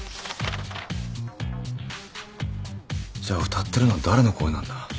じゃあ歌ってるのは誰の声なんだ？